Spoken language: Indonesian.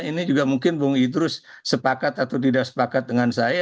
ini juga mungkin bung idrus sepakat atau tidak sepakat dengan saya